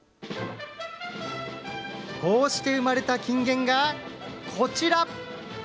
こうして生まれた金言が、こちら。